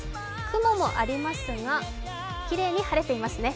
雲もありますが、きれいに晴れていますね。